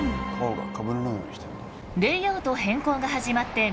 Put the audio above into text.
レイアウト変更が始まって３日目。